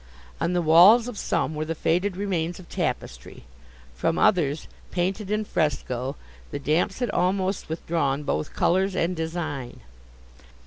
On the walls of some were the faded remains of tapestry; from others, painted in fresco, the damps had almost withdrawn both colours and design.